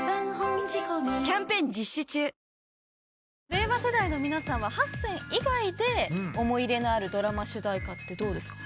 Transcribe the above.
令和世代の皆さんは８選以外で思い入れのあるドラマ主題歌ってどうですか？